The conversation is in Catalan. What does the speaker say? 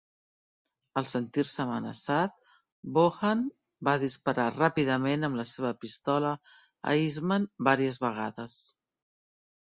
Al sentir-se amenaçat, Bohan va disparar ràpidament amb la seva pistola a Eastman vàries vegades.